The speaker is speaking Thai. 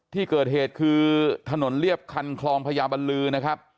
ที่เกิดเหตุคือถนนเรียบคันคลองพญาบัลลือนะครับ